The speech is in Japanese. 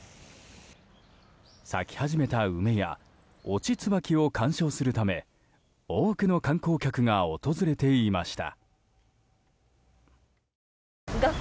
咲き始めた梅や落ちツバキを観賞するため多くの観光客が訪れていました。